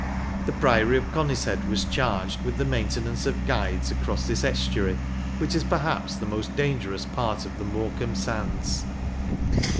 The Priory of Conishead was charged with the maintenance of guides across this estuary, which is perhaps the most dangerous part of the Morecambe Sands.